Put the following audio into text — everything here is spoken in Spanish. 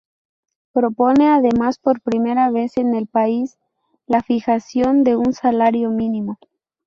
Propone además, por primera vez en el país la fijación de un salario mínimo.